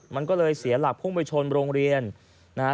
มันก็เลยเสียหลักพุ่งไปชนโรงเรียนนะฮะ